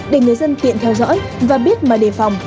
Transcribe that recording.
để người dân tiện theo dõi và biết mà đề phòng